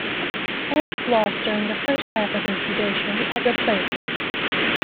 Eggs lost during the first half of incubation are replaced.